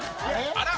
あら！